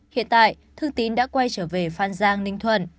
hiện tại thương tín đã quay trở về phan giang ninh thuận